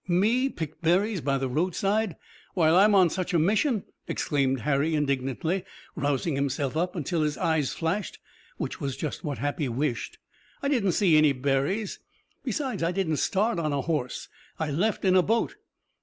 "Me pick berries by the roadside, while I'm on such a mission!" exclaimed Harry indignantly, rousing himself up until his eyes flashed, which was just what Happy wished. "I didn't see any berries! Besides I didn't start on a horse. I left in a boat."